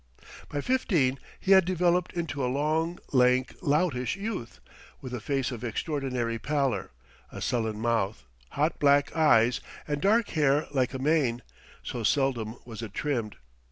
By fifteen he had developed into a long, lank, loutish youth, with a face of extraordinary pallor, a sullen mouth, hot black eyes, and dark hair like a mane, so seldom was it trimmed.